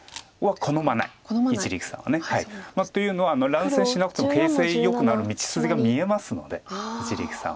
乱戦しなくても形勢よくなる道筋が見えますので一力さんは。